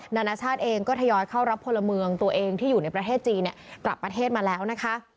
นานาชาติเองก็ทยอยเข้ารับพลเมืองตัวเองที่อยู่ในประเทศจีนกลับประเทศมาแล้วนะคะ